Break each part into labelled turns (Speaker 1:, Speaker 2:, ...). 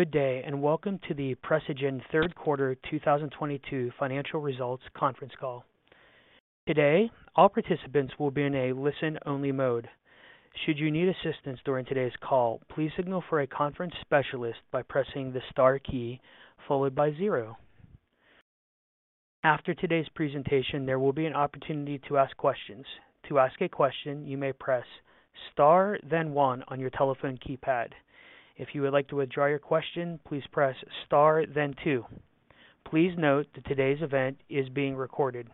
Speaker 1: Good day, and welcome to the Precigen Third Quarter 2022 Financial Results Conference Call. Today, all participants will be in a listen-only mode. Should you need assistance during today's call, please signal for a conference specialist by pressing the star key followed by zero. After today's presentation, there will be an opportunity to ask questions. To ask a question, you may press star then one on your telephone keypad. If you would like to withdraw your question, please press star then two. Please note that today's event is being recorded.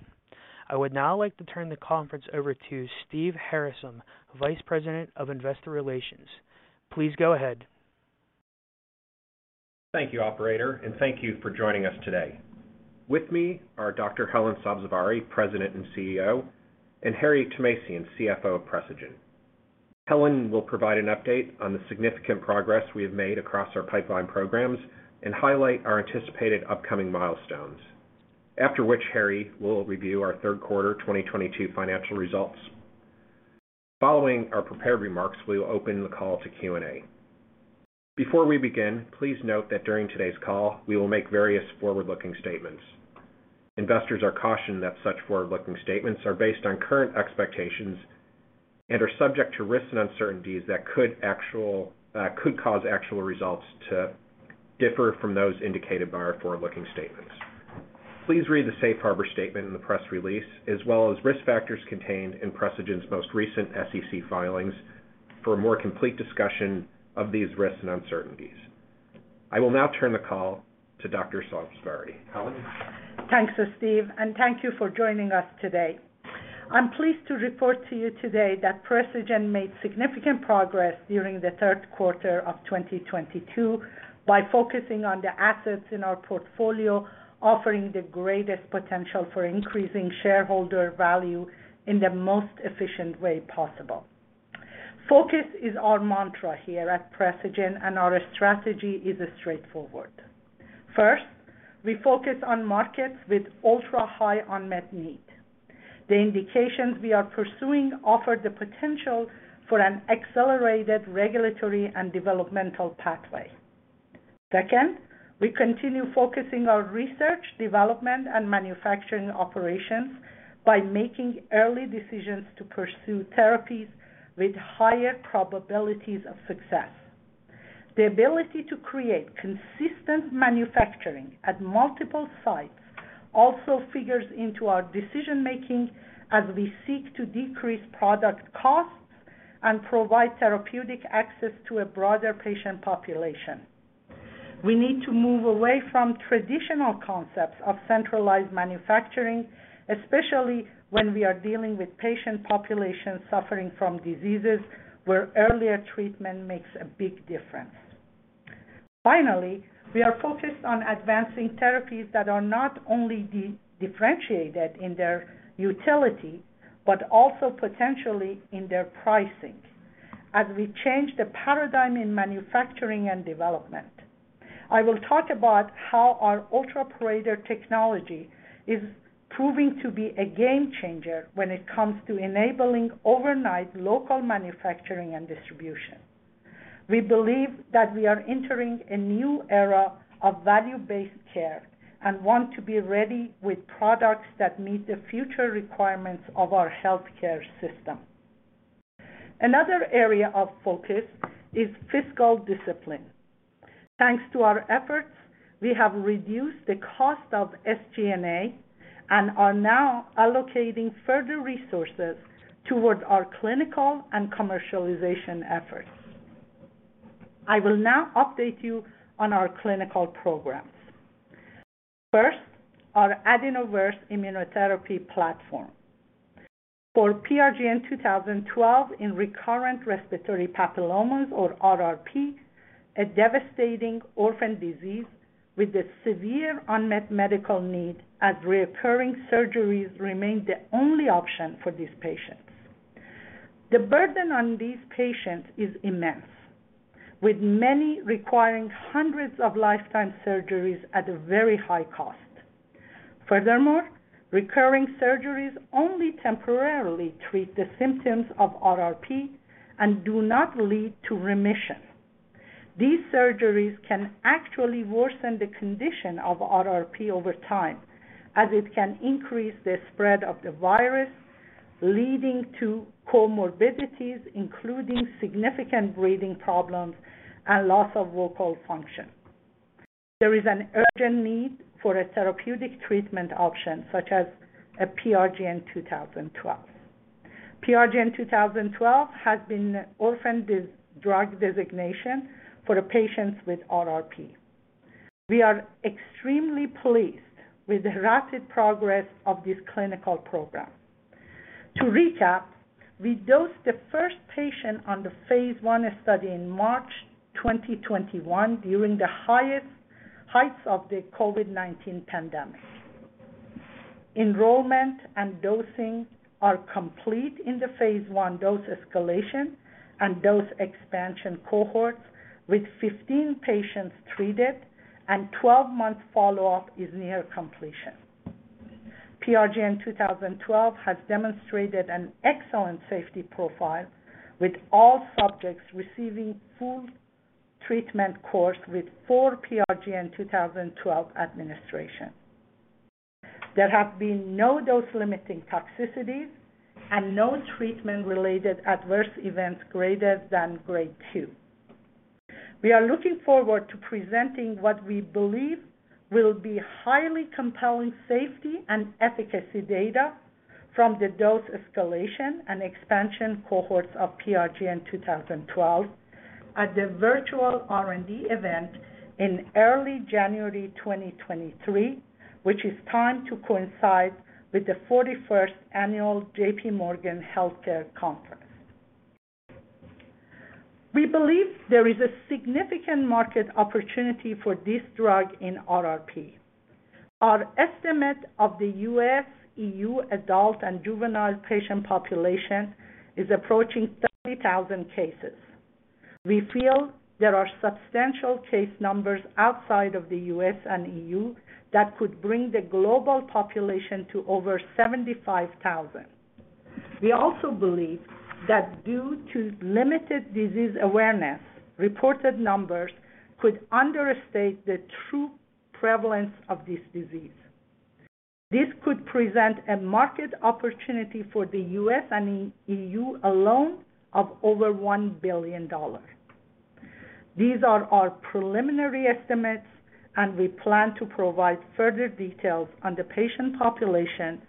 Speaker 1: I would now like to turn the conference over to Steven M. Harasym, Vice President of Investor Relations. Please go ahead.
Speaker 2: Thank you, operator, and thank you for joining us today. With me are Dr. Helen Sabzevari, President and CEO, and Harry Thomasian, CFO of Precigen. Helen will provide an update on the significant progress we have made across our pipeline programs and highlight our anticipated upcoming milestones. After which, Harry will review our third quarter 2022 financial results. Following our prepared remarks, we will open the call to Q&A. Before we begin, please note that during today's call, we will make various forward-looking statements. Investors are cautioned that such forward-looking statements are based on current expectations and are subject to risks and uncertainties that could cause actual results to differ from those indicated by our forward-looking statements. Please read the safe harbor statement in the press release, as well as risk factors contained in Precigen's most recent SEC filings for a more complete discussion of these risks and uncertainties. I will now turn the call to Dr. Sabzevari. Helen?
Speaker 3: Thanks, Steve, and thank you for joining us today. I'm pleased to report to you today that Precigen made significant progress during the third quarter of 2022 by focusing on the assets in our portfolio, offering the greatest potential for increasing shareholder value in the most efficient way possible. Focus is our mantra here at Precigen, and our strategy is straightforward. First, we focus on markets with ultra-high unmet need. The indications we are pursuing offer the potential for an accelerated regulatory and developmental pathway. Second, we continue focusing our research, development, and manufacturing operations by making early decisions to pursue therapies with higher probabilities of success. The ability to create consistent manufacturing at multiple sites also figures into our decision-making as we seek to decrease product costs and provide therapeutic access to a broader patient population. We need to move away from traditional concepts of centralized manufacturing, especially when we are dealing with patient populations suffering from diseases where earlier treatment makes a big difference. Finally, we are focused on advancing therapies that are not only de-differentiated in their utility, but also potentially in their pricing as we change the paradigm in manufacturing and development. I will talk about how our UltraPorator technology is proving to be a game changer when it comes to enabling overnight local manufacturing and distribution. We believe that we are entering a new era of value-based care and want to be ready with products that meet the future requirements of our healthcare system. Another area of focus is fiscal discipline. Thanks to our efforts, we have reduced the cost of SG&A and are now allocating further resources toward our clinical and commercialization efforts. I will now update you on our clinical programs. First, our AdenoVerse immunotherapy platform. For PRGN-2012 in recurrent respiratory papillomatosis or RRP, a devastating orphan disease with a severe unmet medical need as recurring surgeries remain the only option for these patients. The burden on these patients is immense, with many requiring hundreds of lifetime surgeries at a very high cost. Furthermore, recurring surgeries only temporarily treat the symptoms of RRP and do not lead to remission. These surgeries can actually worsen the condition of RRP over time, as it can increase the spread of the virus, leading to comorbidities, including significant breathing problems and loss of vocal function. There is an urgent need for a therapeutic treatment option, such as a PRGN-2012. PRGN-2012 has been orphan drug designation for the patients with RRP. We are extremely pleased with the rapid progress of this clinical program. To recap, we dosed the first patient on the phase I study in March 2021 during the highest heights of the COVID-19 pandemic. Enrollment and dosing are complete in the phase I dose escalation and dose expansion cohorts, with 15 patients treated and 12-month follow-up is near completion. PRGN 2012 has demonstrated an excellent safety profile with all subjects receiving full treatment course with 4 PRGN 2012 administration. There have been no dose-limiting toxicities and no treatment-related adverse events greater than grade two. We are looking forward to presenting what we believe will be highly compelling safety and efficacy data from the dose escalation and expansion cohorts of PRGN 2012 at the virtual R&D event in early January 2023, which is timed to coincide with the 41st annual J.P. Morgan Healthcare Conference. We believe there is a significant market opportunity for this drug in RRP. Our estimate of the U.S., EU adult and juvenile patient population is approaching 30,000 cases. We feel there are substantial case numbers outside of the U.S. and EU that could bring the global population to over 75,000. We also believe that due to limited disease awareness, reported numbers could understate the true prevalence of this disease. This could present a market opportunity for the U.S. and EU alone of over $1 billion. These are our preliminary estimates, and we plan to provide further details on the patient population,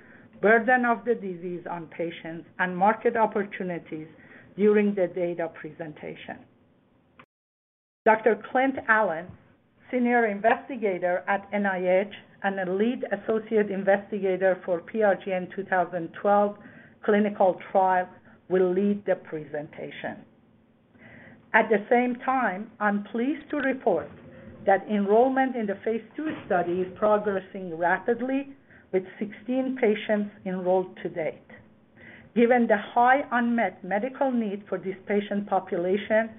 Speaker 3: burden of the disease on patients, and market opportunities during the data presentation. Dr. Clint Allen, Senior Investigator at NIH and the lead associate investigator for PRGN-2012 clinical trial, will lead the presentation. At the same time, I'm pleased to report that enrollment in the phase II study is progressing rapidly with 16 patients enrolled to date. Given the high unmet medical needs for this patient population,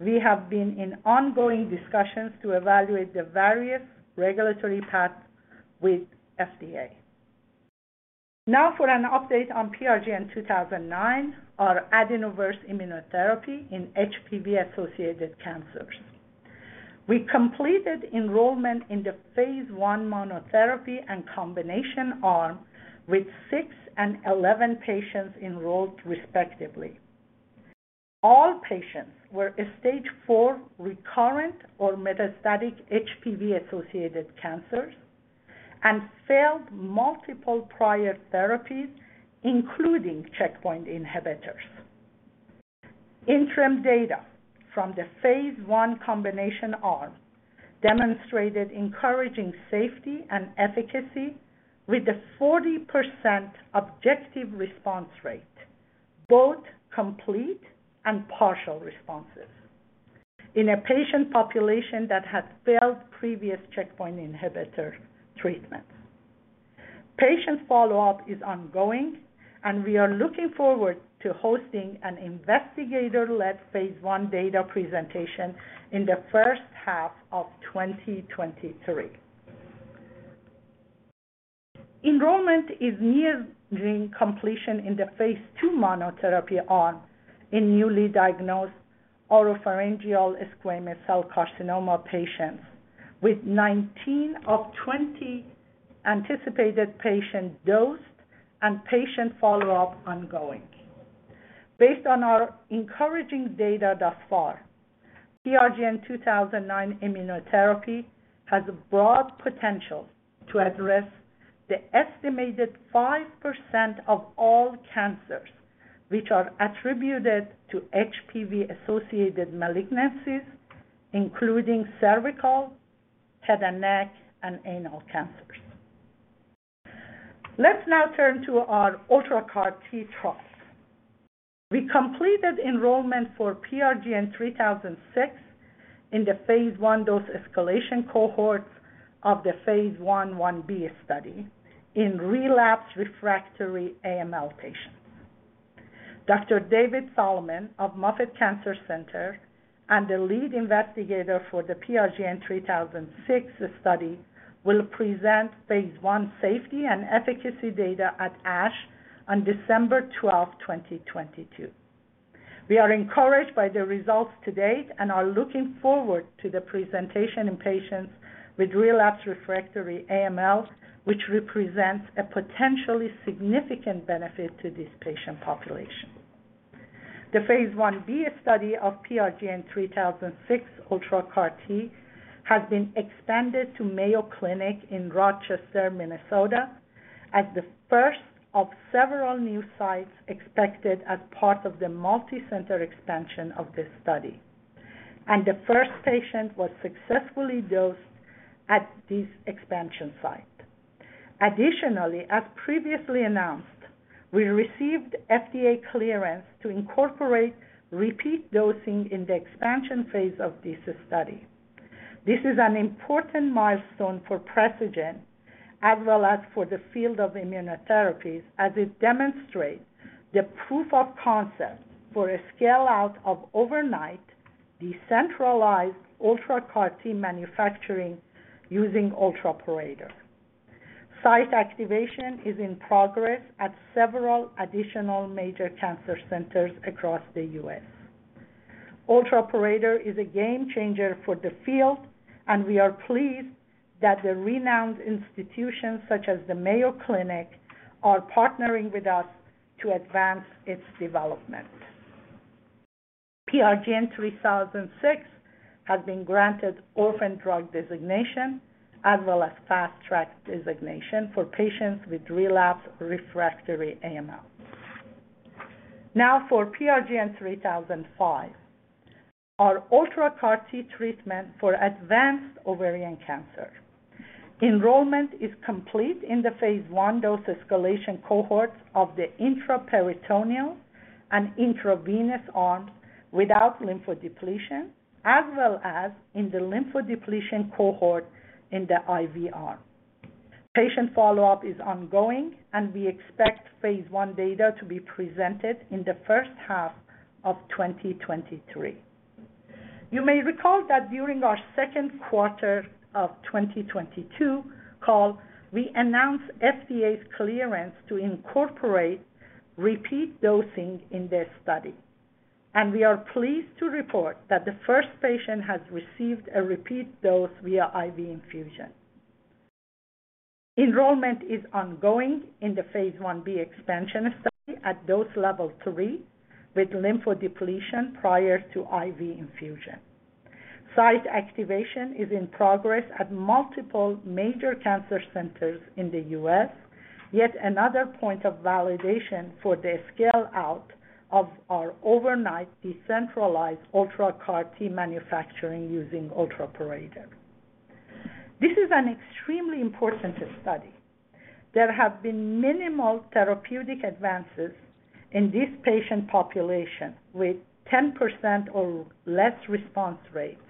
Speaker 3: we have been in ongoing discussions to evaluate the various regulatory paths with FDA. Now for an update on PRGN-2009, our Adenovirus immunotherapy in HPV-associated cancers. We completed enrollment in the phase I monotherapy and combination arm with six and 11 patients enrolled, respectively. All patients were a stage four recurrent or metastatic HPV-associated cancers and failed multiple prior therapies, including checkpoint inhibitors. Interim data from the phase I combination arm demonstrated encouraging safety and efficacy with a 40% objective response rate, both complete and partial responses, in a patient population that had failed previous checkpoint inhibitor treatment. Patient follow-up is ongoing, and we are looking forward to hosting an investigator-led phase I data presentation in the first half of 2023. Enrollment is nearing completion in the phase II monotherapy arm in newly diagnosed oropharyngeal squamous cell carcinoma patients, with 19 of 20 anticipated patients dosed and patient follow-up ongoing. Based on our encouraging data thus far, PRGN-2009 immunotherapy has a broad potential to address the estimated 5% of all cancers which are attributed to HPV-associated malignancies, including cervical, head and neck, and anal cancers. Let's now turn to our UltraCAR-T trial. We completed enrollment for PRGN-3006 in the phase I dose escalation cohort of the phase I/Ib study in relapsed refractory AML patients. Dr. David Solomon of Moffitt Cancer Center and the lead investigator for the PRGN-3006 study will present phase I safety and efficacy data at ASH on December twelfth, 2022. We are encouraged by the results to date and are looking forward to the presentation in patients with relapsed refractory AML, which represents a potentially significant benefit to this patient population. The phase Ib study of PRGN-3006 UltraCAR-T has been expanded to Mayo Clinic in Rochester, Minnesota, as the first of several new sites expected as part of the multi-center expansion of this study, and the first patient was successfully dosed at this expansion site. Additionally, as previously announced, we received FDA clearance to incorporate repeat dosing in the expansion phase of this study. This is an important milestone for Precigen as well as for the field of immunotherapies, as it demonstrates the proof of concept for a scale-out of overnight decentralized UltraCAR-T manufacturing using UltraPorator. Site activation is in progress at several additional major cancer centers across the U.S. UltraPorator is a game changer for the field, and we are pleased that the renowned institutions such as the Mayo Clinic are partnering with us to advance its development. PRGN-3006 has been granted orphan drug designation as well as fast-track designation for patients with relapsed refractory AML. Now for PRGN-3005, our UltraCAR-T treatment for advanced ovarian cancer. Enrollment is complete in the phase I dose escalation cohorts of the intraperitoneal and intravenous arms without lymphodepletion, as well as in the lymphodepletion cohort in the IV arm. Patient follow-up is ongoing, and we expect phase I data to be presented in the first half of 2023. You may recall that during our second quarter of 2022 call, we announced FDA's clearance to incorporate repeat dosing in this study, and we are pleased to report that the first patient has received a repeat dose via IV infusion. Enrollment is ongoing in the phase Ib expansion study at dose level three with lymphodepletion prior to IV infusion. Site activation is in progress at multiple major cancer centers in the U.S. Yet another point of validation for the scale-out of our overnight decentralized Ultra CAR T manufacturing using UltraPorator. This is an extremely important study. There have been minimal therapeutic advances in this patient population, with 10% or less response rates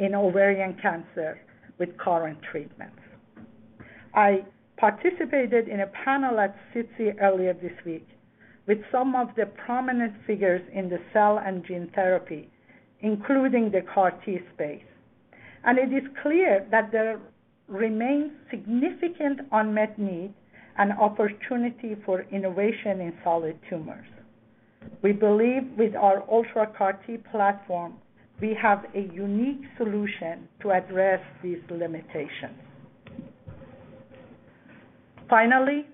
Speaker 3: in ovarian cancer with current treatments. I participated in a panel at SITC earlier this week with some of the prominent figures in the cell and gene therapy, including the CAR T space, and it is clear that there remains significant unmet need and opportunity for innovation in solid tumors. We believe with our Ultra CAR T platform, we have a unique solution to address these limitations. Finally,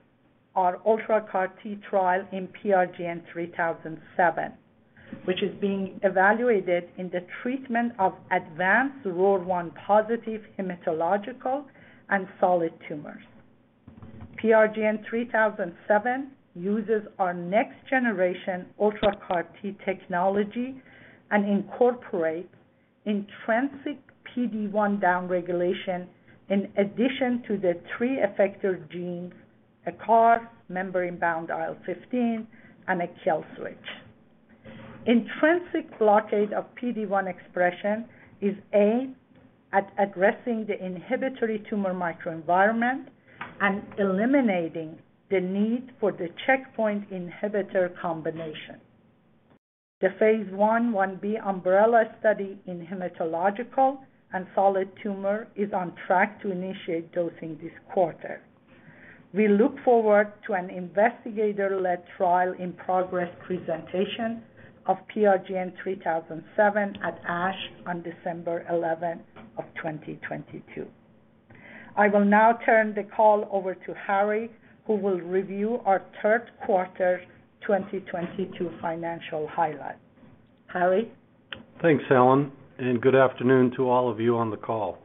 Speaker 3: our Ultra CAR T trial in PRGN-3007, which is being evaluated in the treatment of advanced ROR1 positive hematological and solid tumors. PRGN-3007 uses our next-generation Ultra CAR T technology and incorporates intrinsic PD-1 downregulation in addition to the three effector genes, a CAR, membrane-bound IL-15, and a kill switch. Intrinsic blockade of PD-1 expression is aimed at addressing the inhibitory tumor microenvironment and eliminating the need for the checkpoint inhibitor combination. The phase I, 1B umbrella study in hematological and solid tumor is on track to initiate dosing this quarter. We look forward to an investigator-led trial in progress presentation of PRGN-3007 at ASH on December eleventh of 2022. I will now turn the call over to Harry, who will review our third quarter 2022 financial highlights. Harry?
Speaker 4: Thanks, Helen, and good afternoon to all of you on the call.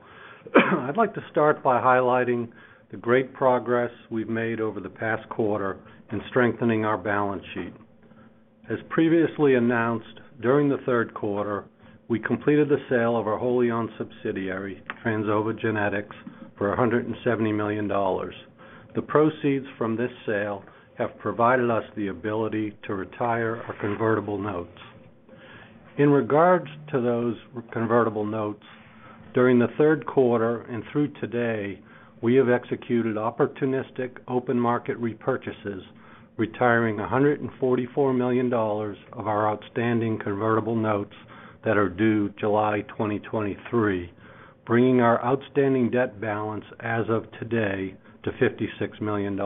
Speaker 4: I'd like to start by highlighting the great progress we've made over the past quarter in strengthening our balance sheet. As previously announced, during the third quarter, we completed the sale of our wholly-owned subsidiary, Trans Ova Genetics, for $170 million. The proceeds from this sale have provided us the ability to retire our convertible notes. In regards to those convertible notes, during the third quarter and through today, we have executed opportunistic open market repurchases, retiring $144 million of our outstanding convertible notes that are due July 2023, bringing our outstanding debt balance as of today to $56 million.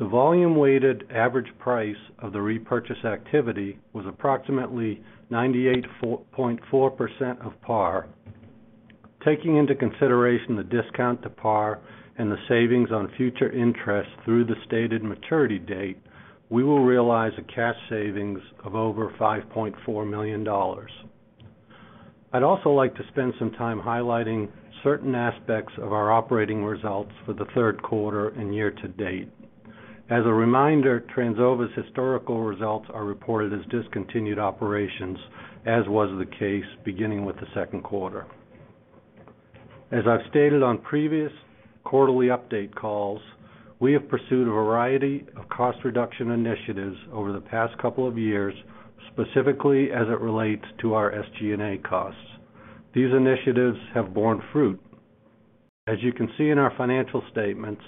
Speaker 4: The volume-weighted average price of the repurchase activity was approximately 98.4% of par. Taking into consideration the discount to par and the savings on future interest through the stated maturity date, we will realize a cash savings of over $5.4 million. I'd also like to spend some time highlighting certain aspects of our operating results for the third quarter and year-to-date. As a reminder, Trans Ova's historical results are reported as discontinued operations, as was the case beginning with the second quarter. As I've stated on previous quarterly update calls, we have pursued a variety of cost reduction initiatives over the past couple of years, specifically as it relates to our SG&A costs. These initiatives have borne fruit. As you can see in our financial statements,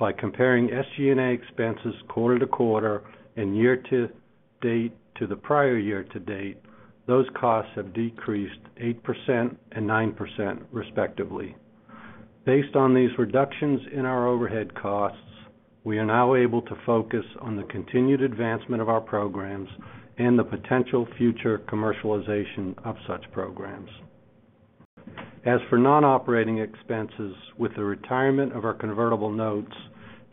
Speaker 4: by comparing SG&A expenses quarter to quarter and year to date to the prior year to date, those costs have decreased 8% and 9% respectively. Based on these reductions in our overhead costs, we are now able to focus on the continued advancement of our programs and the potential future commercialization of such programs. As for non-operating expenses, with the retirement of our convertible notes,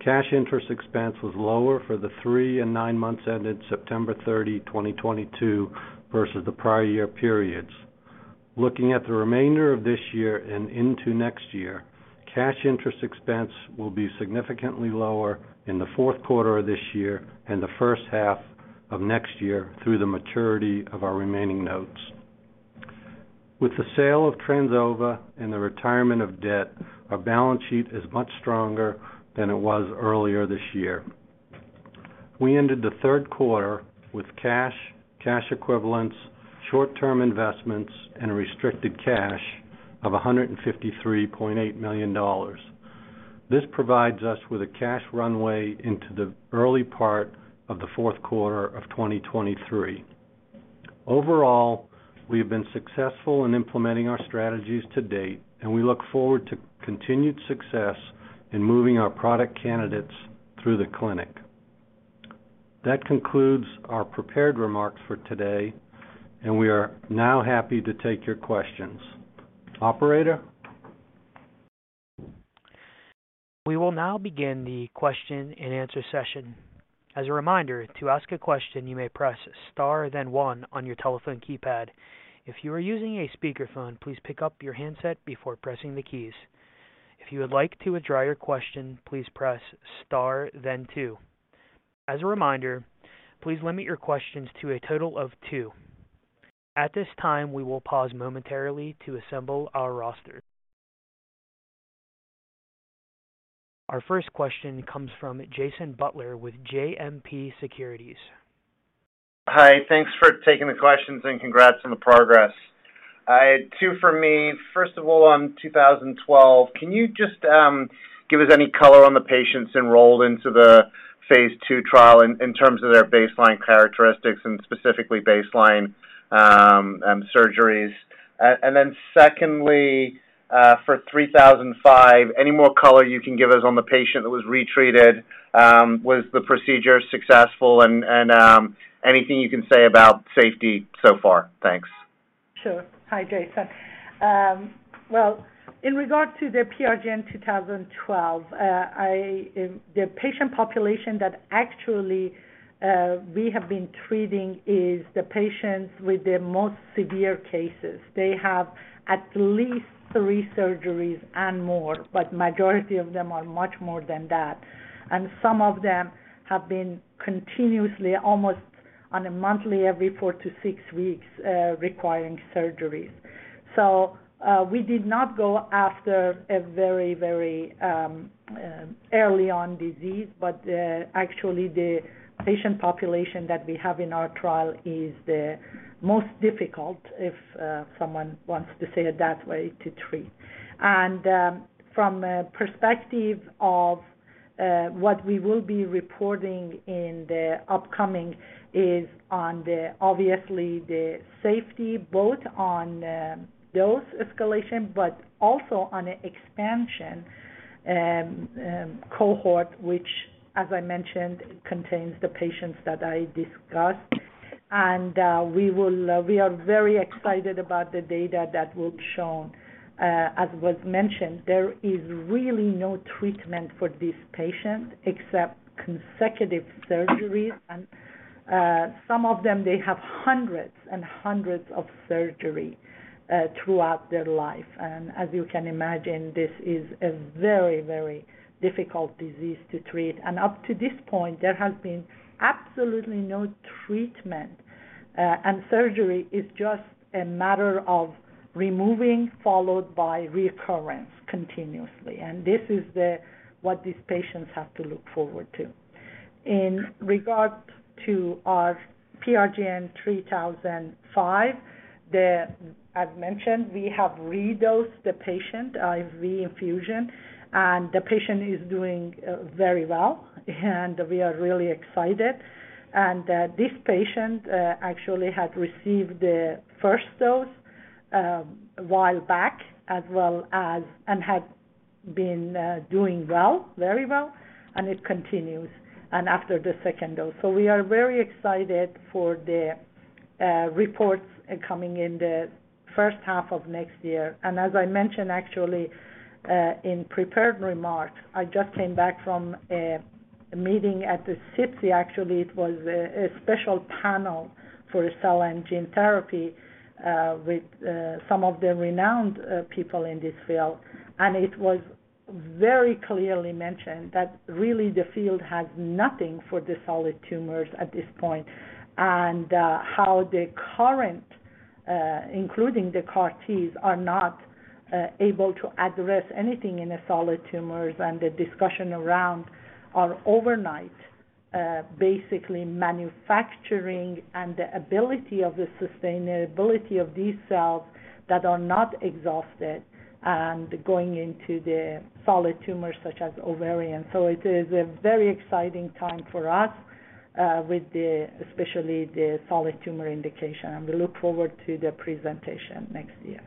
Speaker 4: cash interest expense was lower for the three and nine months ended September 30, 2022 versus the prior year periods. Looking at the remainder of this year and into next year, cash interest expense will be significantly lower in the fourth quarter of this year and the first half of next year through the maturity of our remaining notes. With the sale of Trans Ova Genetics and the retirement of debt, our balance sheet is much stronger than it was earlier this year. We ended the third quarter with cash equivalents, short-term investments, and restricted cash of $153.8 million. This provides us with a cash runway into the early part of the fourth quarter of 2023. Overall, we have been successful in implementing our strategies to date, and we look forward to continued success in moving our product candidates through the clinic. That concludes our prepared remarks for today, and we are now happy to take your questions. Operator?
Speaker 1: We will now begin the question and answer session. As a reminder, to ask a question, you may press star then one on your telephone keypad. If you are using a speakerphone, please pick up your handset before pressing the keys. If you would like to withdraw your question, please press star then two. As a reminder, please limit your questions to a total of two. At this time, we will pause momentarily to assemble our roster. Our first question comes from Jason Butler with JMP Securities.
Speaker 5: Hi. Thanks for taking the questions, and congrats on the progress. I had two for me. First of all, on PRGN-2012, can you just give us any color on the patients enrolled into the phase II trial in terms of their baseline characteristics and specifically baseline surgeries? Secondly, for PRGN-3005, any more color you can give us on the patient that was retreated? Was the procedure successful? Anything you can say about safety so far? Thanks.
Speaker 3: Sure. Hi, Jason. Well, in regard to the PRGN-2012, the patient population that actually we have been treating is the patients with the most severe cases. They have at least three surgeries and more, but majority of them are much more than that. Some of them have been continuously, almost on a monthly, every four-six weeks, requiring surgeries. We did not go after a very early on disease, but actually the patient population that we have in our trial is the most difficult, someone wants to say it that way, to treat. From a perspective of what we will be reporting in the upcoming is on the obviously the safety both on dose escalation but also on expansion cohort which as I mentioned contains the patients that I discussed. We are very excited about the data that we've shown. As was mentioned there is really no treatment for these patients except consecutive surgeries. Some of them they have hundreds and hundreds of surgery throughout their life. As you can imagine this is a very very difficult disease to treat. Up to this point there has been absolutely no treatment and surgery is just a matter of removing followed by recurrence continuously. This is what these patients have to look forward to. In regard to our PRGN-3005, as mentioned, we have redosed the patient, reinfusion, and the patient is doing very well, and we are really excited. This patient actually had received the first dose a while back as well as, and had been doing well, very well, and it continues and after the second dose. We are very excited for the reports coming in the first half of next year. As I mentioned actually in prepared remarks, I just came back from a meeting at the SITC, actually it was a special panel for cell and gene therapy with some of the renowned people in this field. It was very clearly mentioned that really the field has nothing for the solid tumors at this point, and how the current, including the CAR Ts are not able to address anything in the solid tumors. The discussion around overnight manufacturing and the ability of the sustainability of these cells that are not exhausted and going into the solid tumors such as ovarian. It is a very exciting time for us with the especially the solid tumor indication, and we look forward to the presentation next year.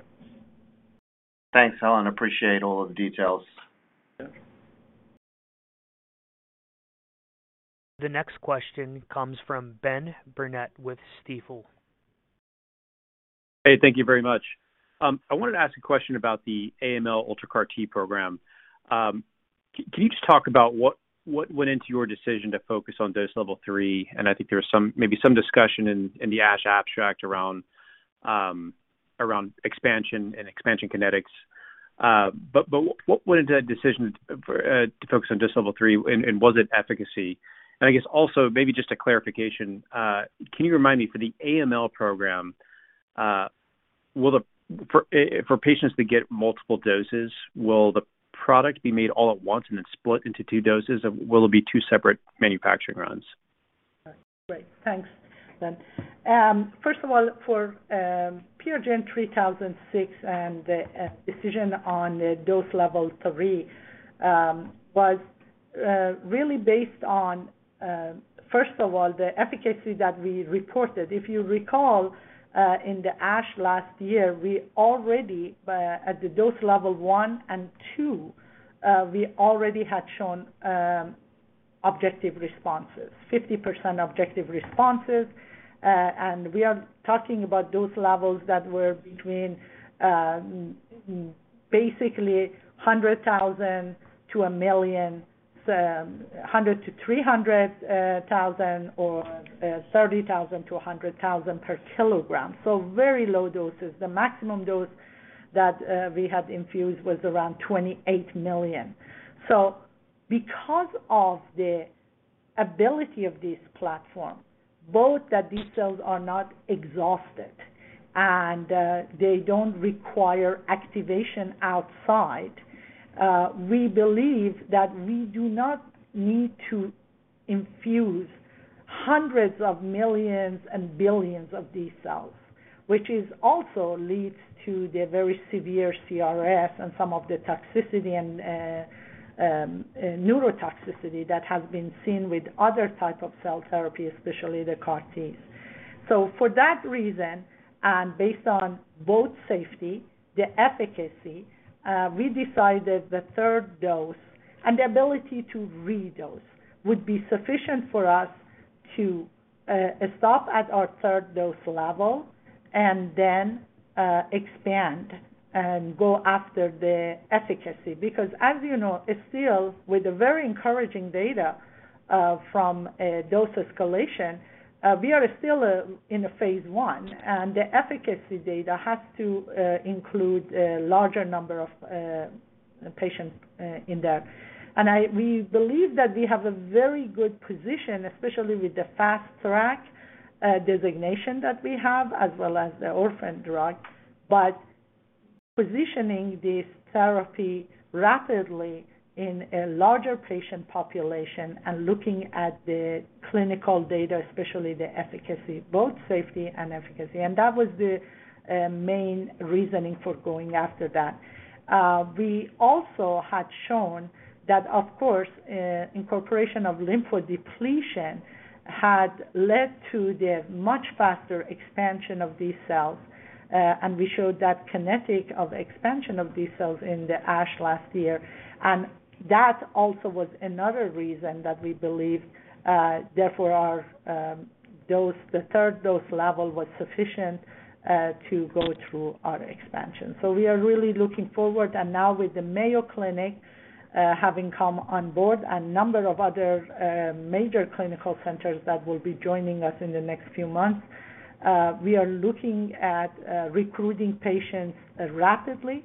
Speaker 5: Thanks, Helen. Appreciate all of the details.
Speaker 3: Yeah.
Speaker 1: The next question comes from Ben Burnett with Stifel.
Speaker 6: Hey, thank you very much. I wanted to ask a question about the AML UltraCAR-T program. Can you just talk about what went into your decision to focus on dose level three? I think there was maybe some discussion in the ASH abstract around expansion and expansion kinetics. But what went into that decision to focus on dose level three, and was it efficacy? I guess also maybe just a clarification, can you remind me for the AML program, for patients that get multiple doses, will the product be made all at once and then split into two doses? Or will it be two separate manufacturing runs?
Speaker 3: Great. Thanks, Ben. First of all, for PRGN-3006 and the decision on the dose level three was really based on first of all, the efficacy that we reported. If you recall, in the ASH last year, we already at the dose level one and two had shown objective responses, 50% objective responses. We are talking about dose levels that were between basically 100,000 to 1 million, 100 to 300 thousand or 30,000 to 100,000 per kg. Very low doses. The maximum dose that we had infused was around 28 million. Because of the ability of this platform, both that these cells are not exhausted and they don't require activation outside, we believe that we do not need to infuse hundreds of millions and billions of these cells, which also leads to the very severe CRS and some of the toxicity and neurotoxicity that has been seen with other type of cell therapy, especially the CAR Ts. For that reason, and based on both safety, the efficacy, we decided the third dose and the ability to redose would be sufficient for us to stop at our third dose level and then expand and go after the efficacy. Because as you know, it's still with the very encouraging data from a dose escalation, we are still in a phase I, and the efficacy data has to include a larger number of patients in there. We believe that we have a very good position, especially with the Fast Track designation that we have, as well as the orphan drug. But positioning this therapy rapidly in a larger patient population and looking at the clinical data, especially the efficacy, both safety and efficacy, and that was the main reasoning for going after that. We also had shown that of course, incorporation of lymphodepletion had led to the much faster expansion of these cells, and we showed that kinetics of expansion of these cells in the ASH last year. That also was another reason that we believe, therefore our dose, the third dose level was sufficient to go through our expansion. We are really looking forward, and now with the Mayo Clinic having come on board, a number of other major clinical centers that will be joining us in the next few months, we are looking at recruiting patients rapidly.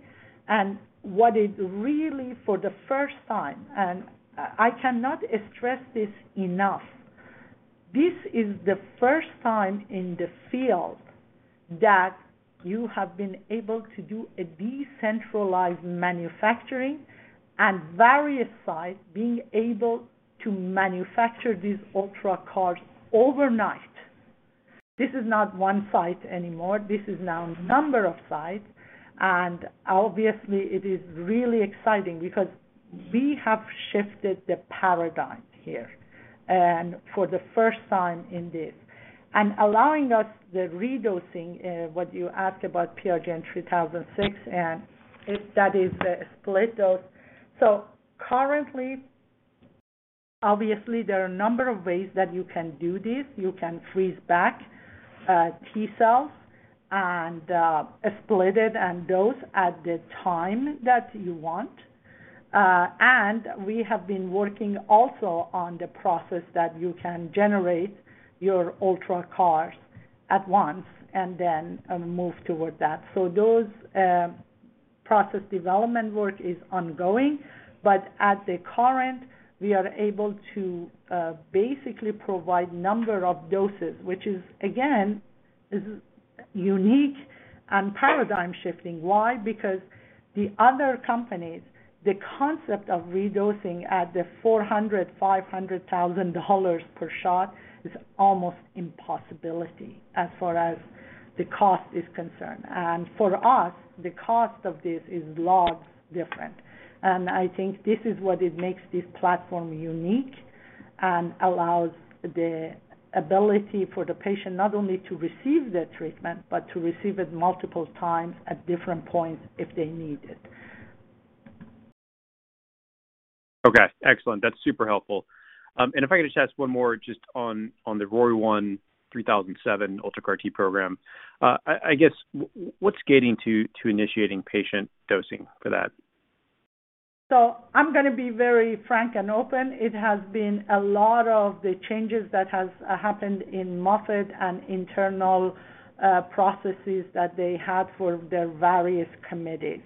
Speaker 3: What is really for the first time, and I cannot stress this enough, this is the first time in the field that you have been able to do a decentralized manufacturing and various sites being able to manufacture these UltraCARs overnight. This is not one site anymore. This is now a number of sites, and obviously it is really exciting because we have shifted the paradigm here and for the first time in this. Allowing us the redosing, what you asked about PRGN-3006, and if that is a split dose. Currently, obviously there are a number of ways that you can do this. You can cryobank T cells and split it and dose at the time that you want. We have been working also on the process that you can generate your UltraCARs at once and then move toward that. Those process development work is ongoing, but currently, we are able to basically provide number of doses, which is again unique and paradigm shifting. Why? Because the other companies, the concept of redosing at the $400,000-$500,000 per shot is almost impossibility as far as the cost is concerned. For us, the cost of this is a lot different. I think this is what it makes this platform unique and allows the ability for the patient not only to receive the treatment, but to receive it multiple times at different points if they need it.
Speaker 6: Okay, excellent. That's super helpful. If I could just ask one more just on the ROR1-3007 UltraCAR-T program. I guess what's getting to initiating patient dosing for that?
Speaker 3: I'm gonna be very frank and open. It has been a lot of the changes that has happened in Moffitt and internal processes that they had for their various committees.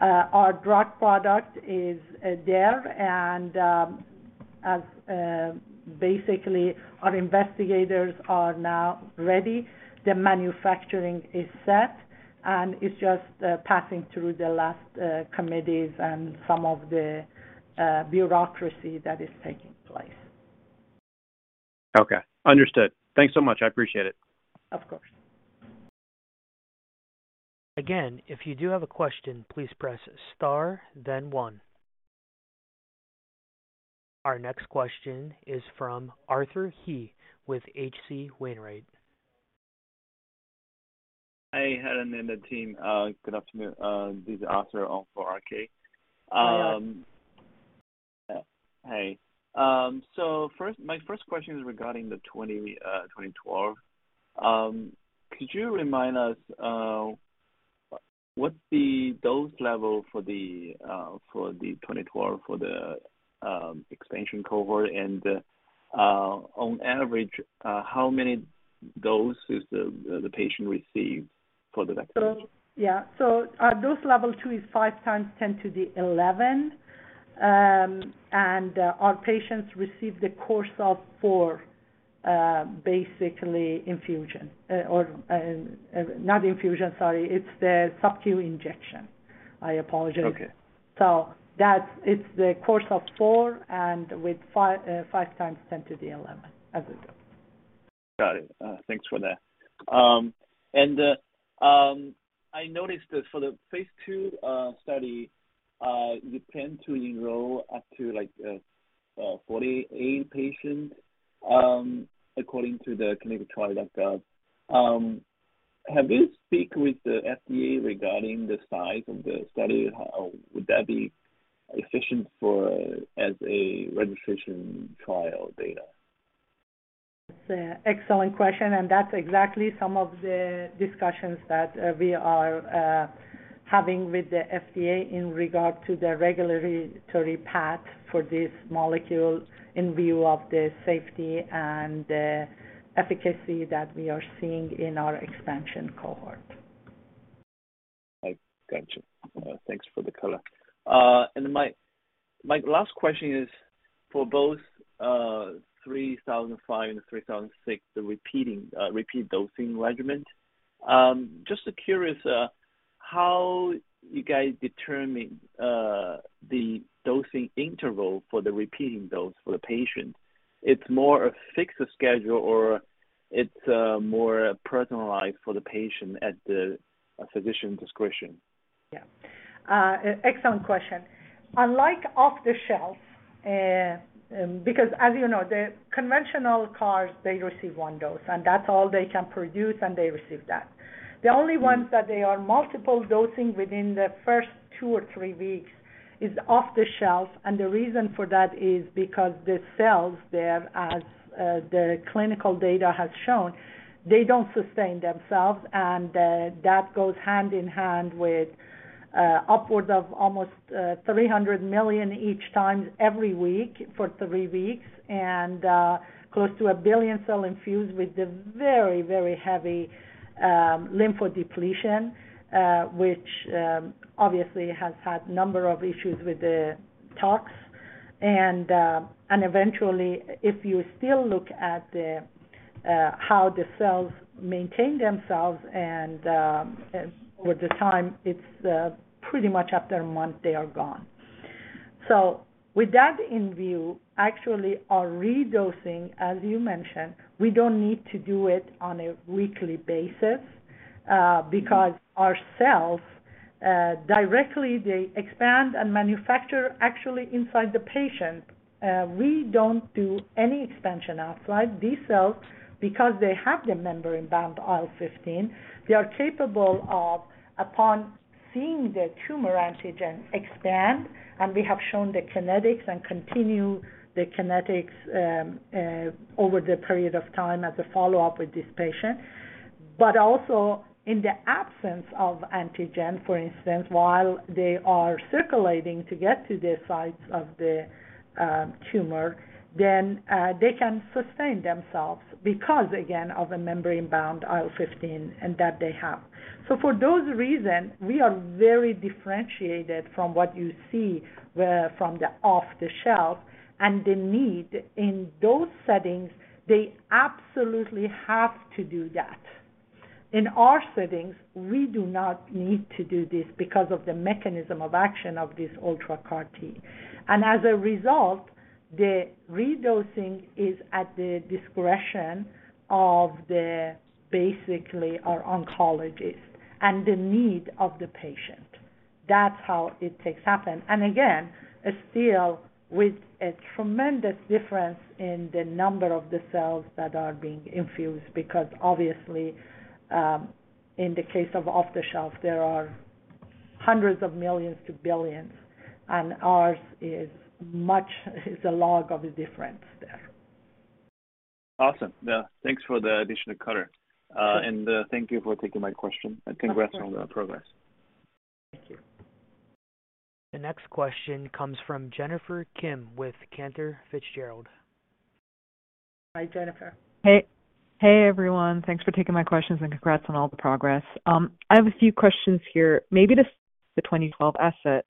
Speaker 3: Our drug product is there and, as basically our investigators are now ready, the manufacturing is set, and it's just passing through the last committees and some of the bureaucracy that is taking place.
Speaker 6: Okay. Understood. Thanks so much. I appreciate it.
Speaker 3: Of course.
Speaker 1: Again, if you do have a question, please press star then one. Our next question is from Arthur He with H.C. Wainwright.
Speaker 7: Hey, Helen and the team, good afternoon. This is Arthur on for R.K.
Speaker 3: Hi, Arthur He.
Speaker 7: Hey. First, my first question is regarding the 2012. Could you remind us what's the dose level for the 2012 for the expansion cohort? And on average, how many dose is the patient received for the vaccine?
Speaker 3: Our dose level two is 5 × 10^11. Our patients receive the course of four, basically not infusion, sorry. It's the sub-Q injection. I apologize.
Speaker 7: Okay.
Speaker 3: It's the course of four and with 5 × 10^11 as a dose.
Speaker 7: Got it. Thanks for that. I noticed that for the phase II study, you tend to enroll up to like 48 patients, according to ClinicalTrials.gov. Have you speak with the FDA regarding the size of the study? How would that be efficient for as a registration trial data?
Speaker 3: It's an excellent question, and that's exactly some of the discussions that we are having with the FDA in regard to the regulatory path for this molecule in view of the safety and the efficacy that we are seeing in our expansion cohort.
Speaker 7: Gotcha. Thanks for the color. My last question is for both 3005 and 3006, the repeat dosing regimen. Just curious, how you guys determine the dosing interval for the repeat dose for the patient. It's more a fixed schedule or it's more personalized for the patient at the physician discretion?
Speaker 3: Yeah. Excellent question. Unlike off-the-shelf, because as you know, the conventional CARs, they receive one dose, and that's all they can produce, and they receive that. The only ones that they are multiple dosing within the first two or three weeks is off-the-shelf, and the reason for that is because the cells, the clinical data has shown, they don't sustain themselves, and that goes hand in hand with upwards of almost 300 million each time every week for three weeks and close to 1 billion cells infused with the very, very heavy lymphodepletion, which obviously has had number of issues with the tox. Eventually, if you still look at how the cells maintain themselves and over time, it's pretty much after a month they are gone. With that in view, actually our redosing, as you mentioned, we don't need to do it on a weekly basis, because our cells directly they expand and manufacture actually inside the patient. We don't do any expansion outside. These cells, because they have the membrane-bound IL-15, they are capable of, upon seeing the tumor antigen expand, and we have shown the kinetics and continue the kinetics over the period of time as a follow-up with this patient. Also in the absence of antigen, for instance, while they are circulating to get to the sites of the tumor, they can sustain themselves because again, of the membrane-bound IL-15 and that they have. For those reason, we are very differentiated from what you see from the off-the-shelf. The need in those settings, they absolutely have to do that. In our settings, we do not need to do this because of the mechanism of action of this UltraCAR-T. As a result, the re-dosing is at the discretion of the, basically our oncologist and the need of the patient. That's how it takes happen. Again, still with a tremendous difference in the number of the cells that are being infused, because obviously, in the case of off-the-shelf, there are hundreds of millions to billions, and ours is much, is a log of a difference there.
Speaker 7: Awesome. Yeah. Thanks for the additional color. Thank you for taking my question.
Speaker 3: Of course.
Speaker 7: Congrats on the progress.
Speaker 3: Thank you.
Speaker 1: The next question comes from Jennifer Kim with Cantor Fitzgerald.
Speaker 3: Hi, Jennifer.
Speaker 8: Hey, hey everyone. Thanks for taking my questions, and congrats on all the progress. I have a few questions here, maybe to the 2012 assets.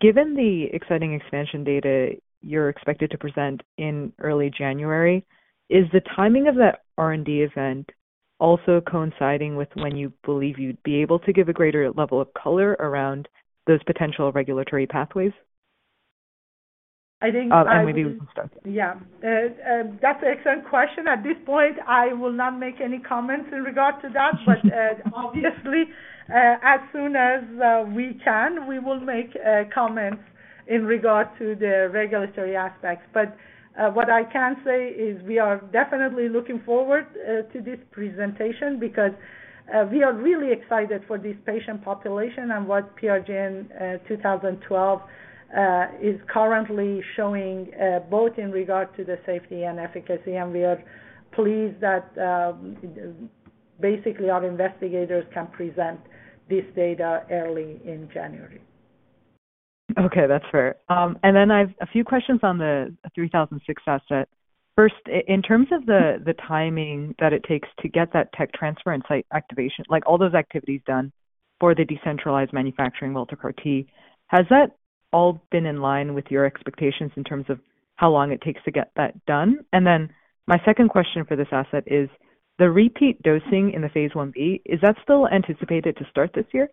Speaker 8: Given the exciting expansion data you're expected to present in early January, is the timing of that R&D event also coinciding with when you believe you'd be able to give a greater level of color around those potential regulatory pathways?
Speaker 3: I think I would.
Speaker 8: Maybe we can start there.
Speaker 3: Yeah. That's an excellent question. At this point, I will not make any comments in regard to that. Obviously, as soon as we can, we will make comments in regard to the regulatory aspects. What I can say is we are definitely looking forward to this presentation because we are really excited for this patient population and what PRGN-2012 is currently showing both in regard to the safety and efficacy. We are pleased that basically our investigators can present this data early in January.
Speaker 8: Okay, that's fair. And then I've a few questions on the 3006 asset. First, in terms of the timing that it takes to get that tech transfer and site activation, like all those activities done for the decentralized manufacturing UltraCAR-T, has that all been in line with your expectations in terms of how long it takes to get that done? And then my second question for this asset is the repeat dosing in the phase Ib, is that still anticipated to start this year?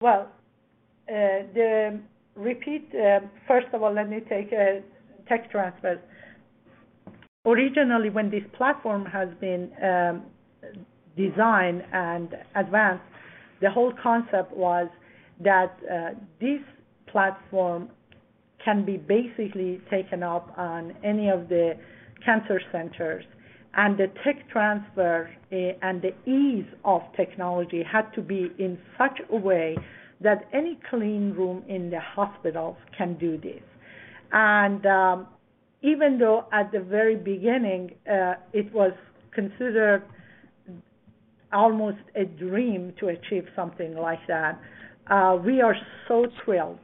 Speaker 3: Well, first of all, let me take tech transfer. Originally, when this platform has been designed and advanced, the whole concept was that this platform can be basically taken up on any of the cancer centers, and the tech transfer and the ease of technology had to be in such a way that any clean room in the hospitals can do this. Even though at the very beginning it was considered almost a dream to achieve something like that, we are so thrilled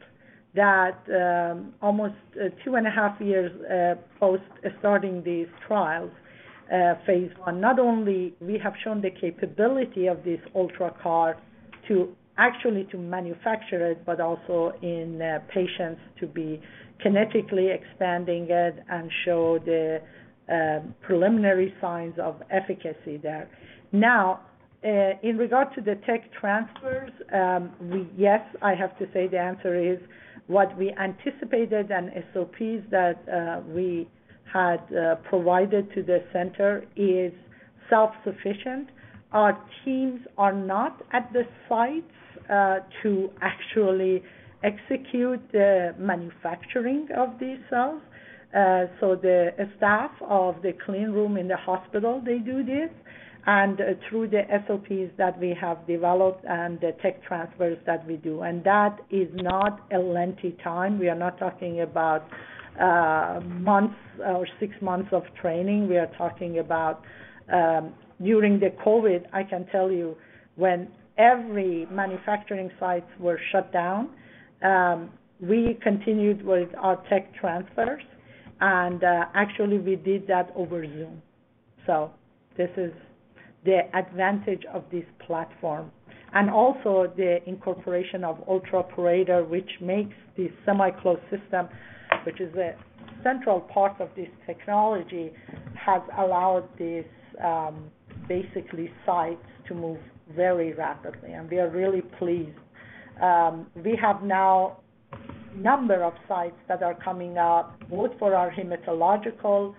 Speaker 3: that almost two and half years post starting these trials, phase I, not only we have shown the capability of this UltraCAR to actually manufacture it, but also in patients to be kinetically expanding it and show the preliminary signs of efficacy there. Now, in regard to the tech transfers, yes, I have to say the answer is what we anticipated and SOPs that we had provided to the center is self-sufficient. Our teams are not at the sites to actually execute the manufacturing of these cells. So the staff of the clean room in the hospital, they do this, and through the SOPs that we have developed and the tech transfers that we do. That is not a lengthy time. We are not talking about months or six months of training. We are talking about during the COVID, I can tell you when every manufacturing sites were shut down, we continued with our tech transfers, and actually we did that over Zoom. This is the advantage of this platform. The incorporation of UltraPorator, which makes this semi-closed system, which is a central part of this technology, has allowed these basically sites to move very rapidly. We are really pleased. We have now number of sites that are coming up, both for our hematological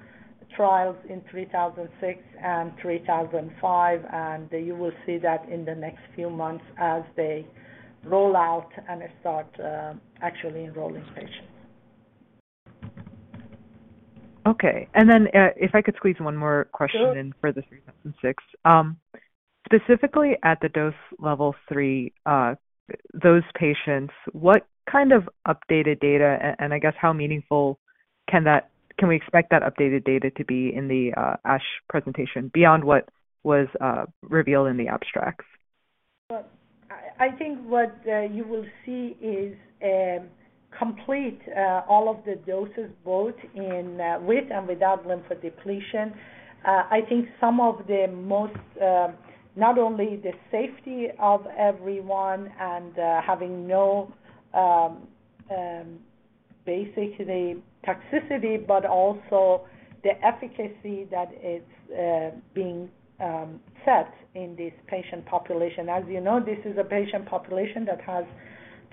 Speaker 3: trials in 3006 and 3005. You will see that in the next few months as they roll out and start actually enrolling patients.
Speaker 8: Okay. If I could squeeze one more question in.
Speaker 3: Sure.
Speaker 8: For the 3006. Specifically at the dose level three, those patients, what kind of updated data, and I guess how meaningful can we expect that updated data to be in the ASH presentation beyond what was revealed in the abstracts?
Speaker 3: Well, I think what you will see is complete all of the doses both in with and without lymphodepletion. I think some of the most not only the safety of everyone and having no basically toxicity, but also the efficacy that is being set in this patient population. As you know, this is a patient population that has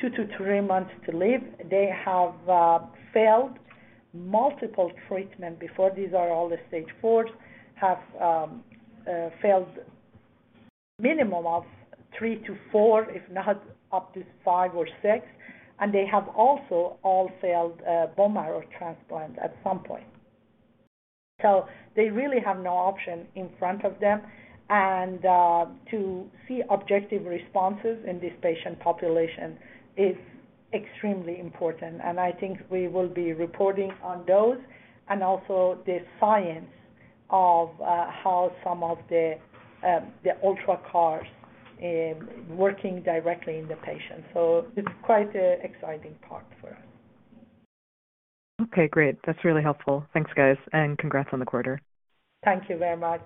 Speaker 3: two-three months to live. They have failed multiple treatment before. These are all the stage fours, have failed minimum of three-four, if not up to five or six, and they have also all failed a bone marrow transplant at some point. They really have no option in front of them, and to see objective responses in this patient population is extremely important, and I think we will be reporting on those and also the science of how some of the ultra CARs working directly in the patient. It's quite an exciting part for us.
Speaker 8: Okay, great. That's really helpful. Thanks, guys, and congrats on the quarter.
Speaker 3: Thank you very much.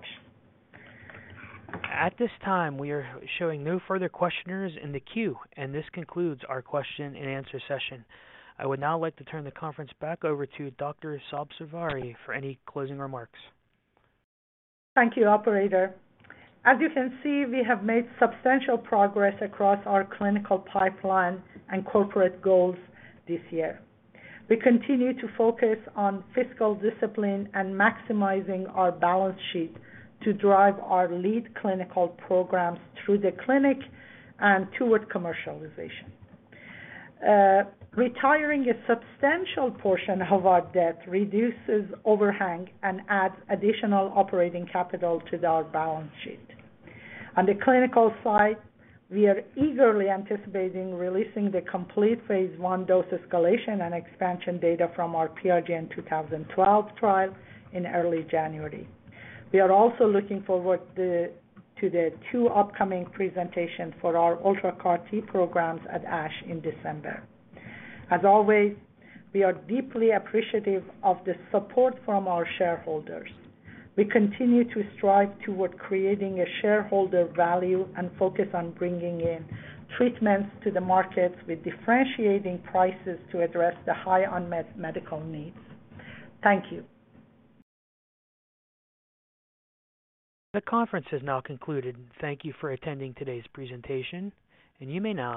Speaker 1: At this time, we are showing no further questioners in the queue, and this concludes our question and answer session. I would now like to turn the conference back over to Dr. Helen Sabzevari for any closing remarks.
Speaker 3: Thank you, operator. As you can see, we have made substantial progress across our clinical pipeline and corporate goals this year. We continue to focus on fiscal discipline and maximizing our balance sheet to drive our lead clinical programs through the clinic and toward commercialization. Retiring a substantial portion of our debt reduces overhang and adds additional operating capital to our balance sheet. On the clinical side, we are eagerly anticipating releasing the complete phase I dose escalation and expansion data from our PRGN 2012 trial in early January. We are also looking forward to the two upcoming presentations for our Ultra CAR T programs at ASH in December. As always, we are deeply appreciative of the support from our shareholders. We continue to strive toward creating a shareholder value and focus on bringing in treatments to the markets with differentiating prices to address the high unmet medical needs. Thank you.
Speaker 1: The conference has now concluded. Thank you for attending today's presentation, and you may now disconnect.